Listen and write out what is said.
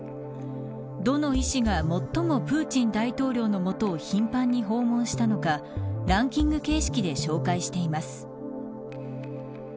どの医師が最もプーチン大統領のもとを頻繁に訪問したのかランキング形式で紹介しています。